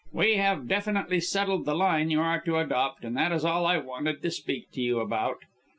We have definitely settled the line you are to adopt, and that is all I wanted to speak to you about.